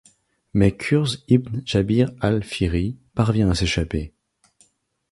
Mais Kurz ibn Jabir al-Fihri parvient à s'échapper.